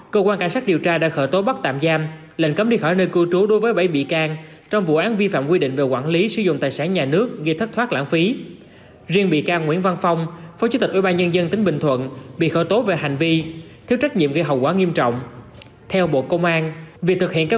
cơ quan cảnh sát điều tra công an huyện cao lộc tỉnh lạng sơn vừa tiến hành khởi tố vụ án khởi tố bị can